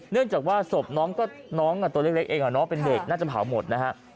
เนื่องจากว่าส่วนน้องก็น้องตัวเล็กเองอ่ะน้องก็เป็นเด็กเนาะจะเผาหมดนะคะ